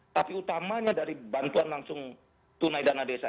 tapi utamanya dari bantuan langsung tunai dana desa